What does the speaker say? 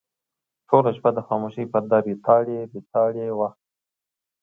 ټوله شپه د خاموشۍ پرده ریتاړې ریتاړې وه.